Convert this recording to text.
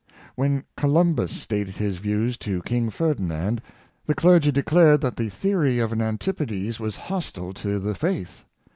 When Columbus stated his views to King Ferdinand the clergy declared that the theory of an antipodes was hostile to the faith.